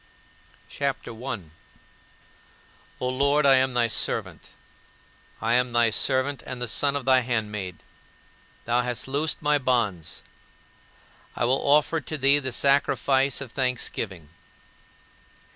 CHAPTER I 1. "O Lord, I am thy servant; I am thy servant and the son of thy handmaid. Thou hast loosed my bonds. I will offer to thee the sacrifice of thanksgiving."